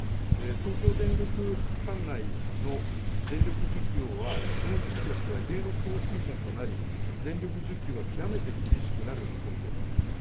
東京電力管内の電力需給はこの時期としては異例の高水準となり電力需給が極めて厳しくなる見込みです。